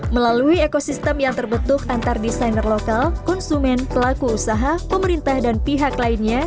melalui ekosistem yang terbentuk antar desainer lokal konsumen pelaku usaha pemerintah dan pihak lainnya